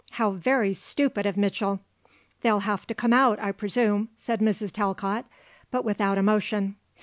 How very stupid of Mitchell." "They'll have to come out, I presume," said Mrs. Talcott, but without emotion.